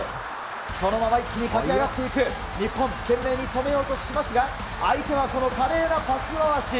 そのまま一気に駆け上がっていく、日本、懸命に止めようとしますが、相手はこの華麗なパス回し。